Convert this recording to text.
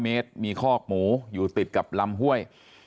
เมตรมีคอกหมูอยู่ติดกับลำห้วย